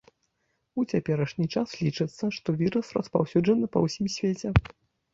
У цяперашні час лічыцца, што вірус распаўсюджаны па ўсім свеце.